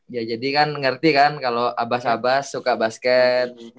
ya jadi kan ngerti kan kalau abas abas suka basket